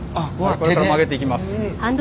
これから曲げていきます。